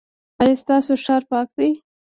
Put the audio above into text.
ایا ستاسو ښار پاک دی؟